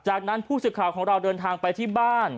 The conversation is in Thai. จากนั้นผู้สื่อข่าวของเราเดินทางไปที่บ้าน